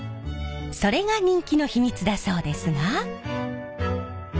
それが人気の秘密だそうですが。